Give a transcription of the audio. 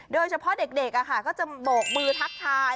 โดยเฉพาะเด็กก็จะโบกมือทักทาย